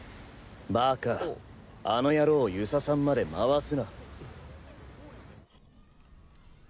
バカあの野郎を遊佐さんまで回すな。